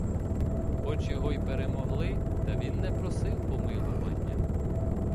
Хоч його й перемогли, та він не просив помилування.